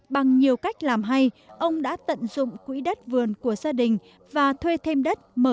bằng nhiều cách làm hay ông đã tận dụng quỹ đất vườn của gia đình và thuê thêm đất